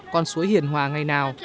con suối hiền hòa ngày nào